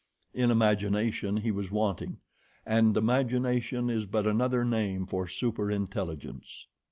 In imagination he was wanting, and imagination is but another name for super intelligence.